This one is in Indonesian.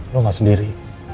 lo gak sendiri